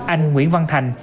anh nguyễn văn thành